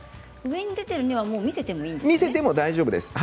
上に出ている根は見せてもいいんですね。